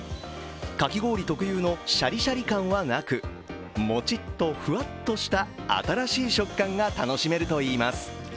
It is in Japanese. かき氷特有のシャリシャリ感はなくモチッとフワッとした新しい食感が楽しめるといいます。